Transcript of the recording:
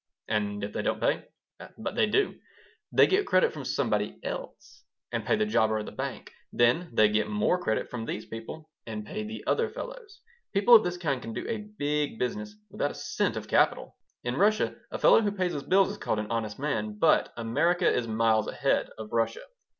"And if they don't pay?" "But they do. They get credit from somebody else and pay the jobber or the banker. Then they get more credit from these people and pay the other fellows. People of this kind can do a big business without a cent of capital. In Russia a fellow who pays his bills is called an honest man, but America is miles ahead of Russia.